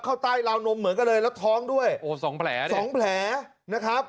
เข้าใต้ราวนมเหมือนกันเลยแล้วท้องด้วยโอ้สองแผลสองแผลนะครับ